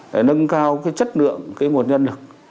để nâng cao cái chất lượng cái nguồn nhân lực